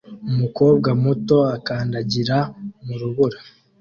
umukobwa muto akandagira mu rubura